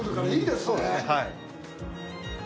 そうですね、はい。